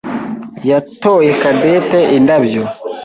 yatoye Cadette indabyo.